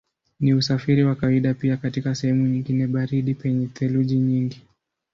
Ni usafiri wa kawaida pia katika sehemu nyingine baridi penye theluji nyingi.